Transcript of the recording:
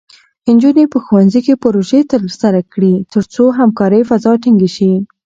نجونې په ښوونځي کې پروژې ترسره کړي، ترڅو همکارۍ فضا ټینګې شي.